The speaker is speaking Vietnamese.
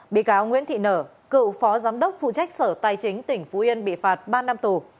bị cáo nguyễn thị nở cựu phó giám đốc phụ trách sở tài chính tỉnh phú yên bị phạt ba năm tù